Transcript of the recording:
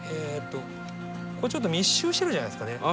えとちょっと密集してるじゃないですかね。